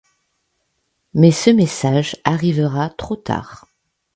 Mais ce message arrivera trop tard.